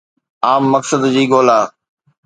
عام مقصد جي ڳولا